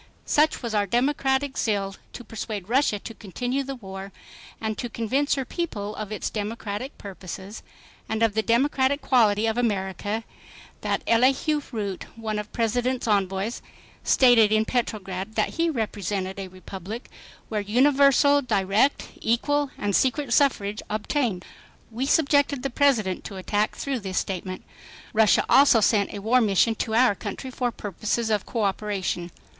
Such was our democratic zeal to persuade Russia to continue the war and to convince her people of its democratic purposes, and of the democratic quality of America, that Elihu Root, one of the President's envoys, stated in Petrograd that he represented a republic where "universal, direct, equal and secret suffrage obtained." We subjected the President to attack through this statement. Russia also sent a war mission to our country for purposes of coöperation.